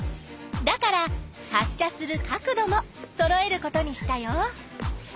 だから発しゃする角度もそろえることにしたよ。